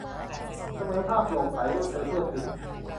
เสมอภาค โปร่งใส รวดเร็ว ทั่วถึง